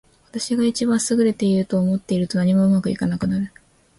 私が一番優れていると思っていると、何もうまくいかなくなる。